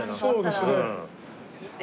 そうですね。